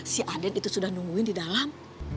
si aden itu sudah nungguin di dalam